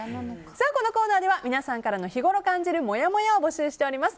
このコーナーでは皆さんからの日頃感じるもやもやを募集しております。